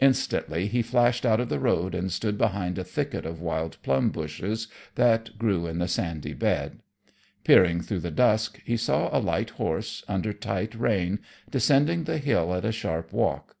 Instantly he flashed out of the road and stood behind a thicket of wild plum bushes that grew in the sandy bed. Peering through the dusk, he saw a light horse, under tight rein, descending the hill at a sharp walk.